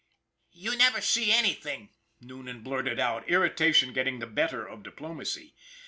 " You never see anything," Noonan blurted out, irritation getting the better of diplomacy.